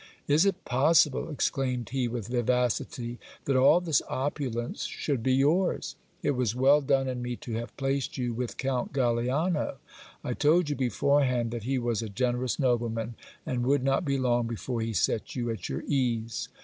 Is it possible, ex claimed he with vivacity, that all this opulence should be vours? It was well done in me to have placed you with Count Galiano. I told you beforehand that he was a generous nobleman, and would not be long before he set you at your ease.